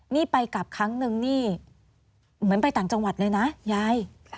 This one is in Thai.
นี่ไปกลับครั้งนึงนี่เหมือนไปต่างจังหวัดเลยนะยาย